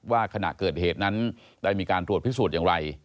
ขณะเกิดเหตุนั้นได้มีการตรวจพิสูจน์อย่างไร